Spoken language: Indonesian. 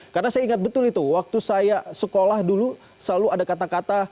karena saya ingat betul itu waktu saya sekolah dulu selalu ada kata kata